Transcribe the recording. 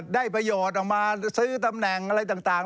ได้ประโยชน์ออกมาซื้อตำแหน่งอะไรต่าง